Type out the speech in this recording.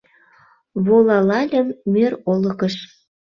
Волалальым мӧр олыкыш.